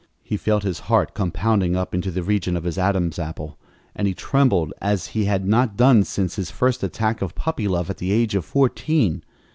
He felt his heart come pounding up into the region of his Adam's apple, and he trembled as he had not done since his first attack of puppy love at the age of fourteen.